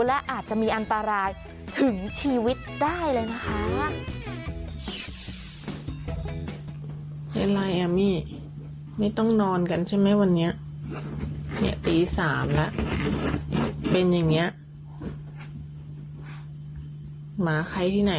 และอาจจะมีอันตรายถึงชีวิตได้เลยนะคะ